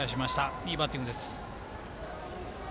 いいバッティングです。